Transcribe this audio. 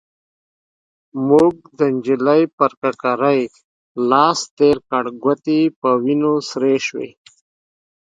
مور د نجلۍ پر ککرۍ لاس تير کړ، ګوتې يې په وينو سرې شوې.